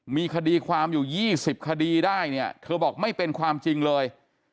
มีคดีความอยู่๒๐คดีได้เนี่ยเธอบอกไม่เป็นความจริงเลย